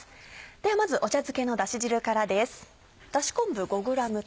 ではまずお茶漬けのだし汁からです。